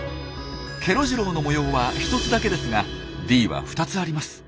ケロ次郎の模様は１つだけですがＤは２つあります。